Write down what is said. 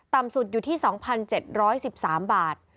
สุดอยู่ที่๒๗๑๓บาท